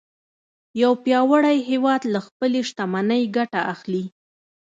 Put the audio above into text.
یو پیاوړی هیواد له خپلې شتمنۍ ګټه اخلي